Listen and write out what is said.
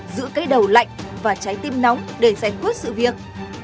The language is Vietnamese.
giữ cái đầu lạnh và trái tim nóng để giải quyết sự việc